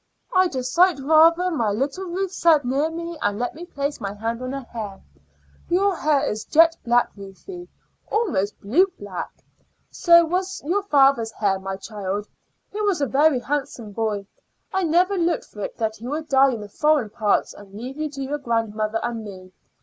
"I'd a sight rather my little Ruth sat near me and let me place my hand on her hair. Your hair is jet black, Ruthie almost blue black. So was your father's hair, my child. He was a very handsome boy. I never looked for it that he would die in the foreign parts and leave you to your grandmother and me.